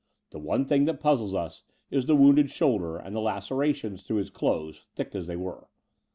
The one thing that puzzles us is the wounded shoulder and the lacerations through his clothes, thick as they were.